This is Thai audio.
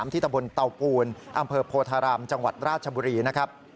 ตะบนเตาปูนอำเภอโพธารามจังหวัดราชบุรีนะครับ